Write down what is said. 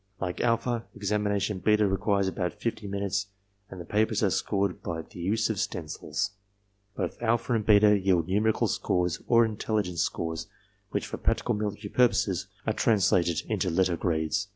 Like alpha, examination beta requires about fifty minutes and the papers are scored by the use of stencils. Both alpha and beta yield numerical scores or intelligence scores which for practical military purposes are translated into letter grades.